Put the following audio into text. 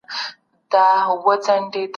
خپل کور په نېک بوی سره تل خوشبویه ساتئ.